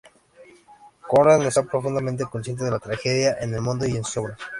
Conrad era profundamente consciente de la tragedia en el mundo y en sus obras.